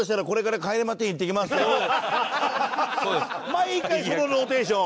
毎回そのローテーション。